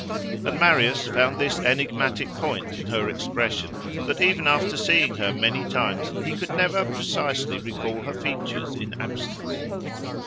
And Marius found this enigmatic point in her expression, that even after seeing her many times he could never precisely recall her features in absence.